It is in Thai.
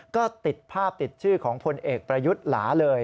ก็ติดภาพติดชื่อของพลเอกประยุทธ์หลาเลย